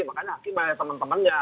makanya hakim banyak teman temannya